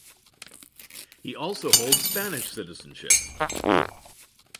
He also holds Spanish citizenship.